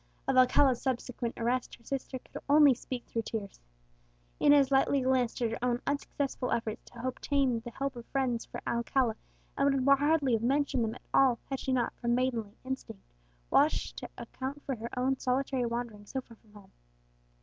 Of Alcala's subsequent arrest his sister could only speak through tears. Inez lightly glanced at her own unsuccessful efforts to obtain the help of friends for Alcala, and would hardly have mentioned them at all, had she not, from maidenly instinct, wished to account for her own solitary wanderings so far from her home.